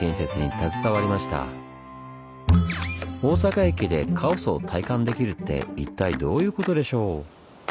大阪駅でカオスを体感できるって一体どういうことでしょう？